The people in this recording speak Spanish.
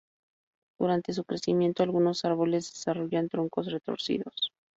Durante su crecimiento algunos árboles desarrollan troncos retorcidos.